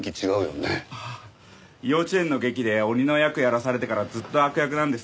幼稚園の劇で鬼の役やらされてからずっと悪役なんです。